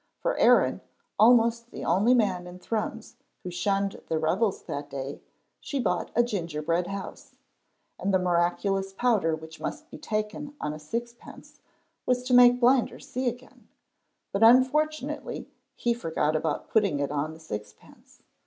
For Aaron, almost the only man in Thrums who shunned the revels that day, she bought a gingerbread house; and the miraculous powder which must be taken on a sixpence was to make Blinder see again, but unfortunately he forgot about putting it on the sixpence.